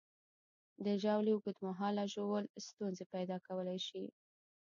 د ژاولې اوږد مهاله ژوول ستونزې پیدا کولی شي.